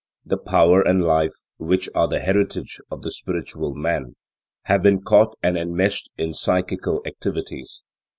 The power and life which are the heritage of the spiritual man have been caught and enmeshed in psychical activities.